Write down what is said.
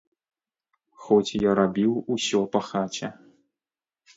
Хоць я рабіў усё па хаце.